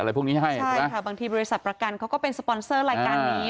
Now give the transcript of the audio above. พวกนี้ให้ใช่ค่ะบางทีบริษัทประกันเขาก็เป็นสปอนเซอร์รายการนี้